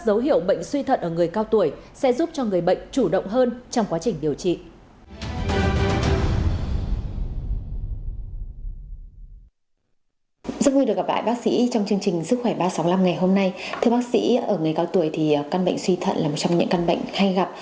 thưa bác sĩ ở người cao tuổi thì căn bệnh suy thận là một trong những căn bệnh hay gặp